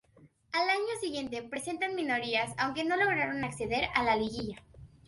Al año siguiente, presentan "Minorías" aunque no lograron acceder a la liguilla.